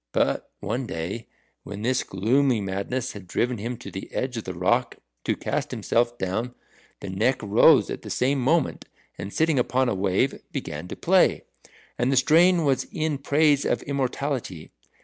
But one day, when this gloomy madness had driven him to the edge of the rock to cast himself down, the Neck rose at the same moment, and sitting upon a wave, began to play. And the strain was in praise of immortality.